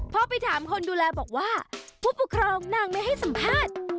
พอไปถามคนดูแลบอกว่าผู้ปกครองนางไม่ให้สัมภาษณ์